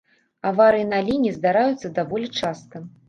Аварыі на лініі здараюцца даволі часта.